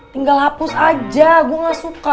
tinggal hapus aja gue gak suka